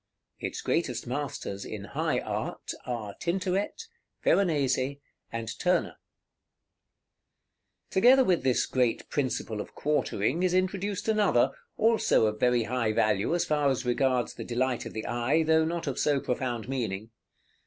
Its greatest masters, in high art, are Tintoret, Veronese, and Turner. § XXVIII. Together with this great principle of quartering is introduced another, also of very high value as far as regards the delight of the eye, though not of so profound meaning.